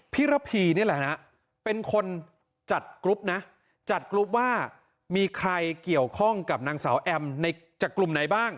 พี่ระพีนี่แหละนะเป็นคนจัดกรุ๊ปนะจัดกรุ๊ปว่ามีใครเกี่ยวข้องกับนางสาวแอมจากกลุ่มไหนบ้าง